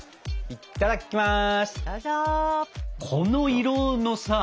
いただきます。